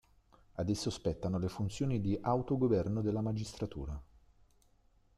Ad esso spettano le funzioni di autogoverno della Magistratura.